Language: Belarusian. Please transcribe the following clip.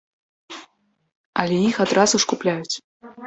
Але іх адразу ж купляюць.